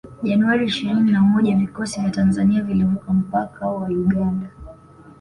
Januari ishirini na moja vikosi vya Tanzania vilivuka mpaka wa Uganda